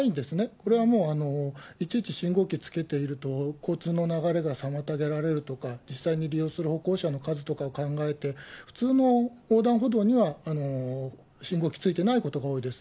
これはもういちいち信号機つけていると交通の流れが妨げられるとか、実際に利用する歩行者の数とかを考えて、普通の横断歩道には信号機ついてないことが多いです。